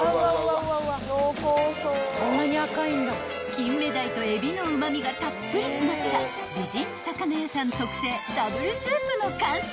［金目鯛と海老のうま味がたっぷり詰まった美人魚屋さん特製Ｗスープの完成］